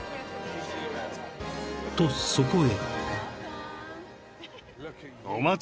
［とそこへ］